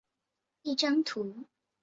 一张图可以有多个边缘点。